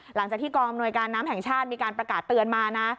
หลังจากที่กองอำนวยการน้ำแห่งชาติมีการประกาศเตือนมานะ